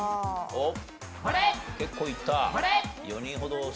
おっ！